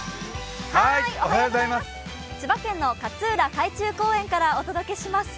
千葉県の勝浦海中公園からお届けします。